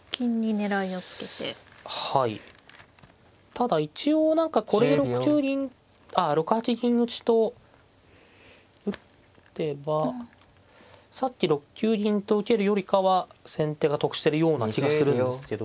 ただ一応何かこれで６八銀打と打てばさっき６九銀と受けるよりかは先手が得してるような気がするんですけど。